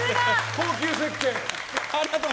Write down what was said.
高級せっけん。